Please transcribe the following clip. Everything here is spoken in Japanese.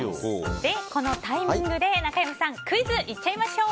このタイミングで中山さんクイズいっちゃいましょう。